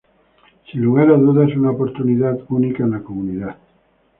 Sin lugar a dudas una oportunidad única en la Comunidad.